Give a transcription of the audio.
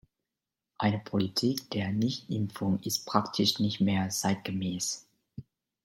Eine Politik der Nichtimpfung ist praktisch nicht mehr zeitgemäß.